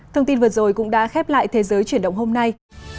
thông tin vừa rồi cũng đã khép lại thế giới chuyển động hôm nay